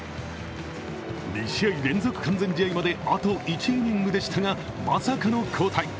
２試合連続完全試合まであと１イニングでしたが、まさかの交代。